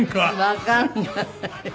わかんない。